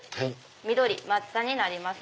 緑抹茶になります。